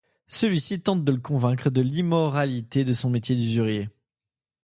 Celui-ci tente de le convaincre de l'immoralité de son métier d'usurier.